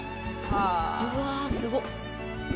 うわすごっ。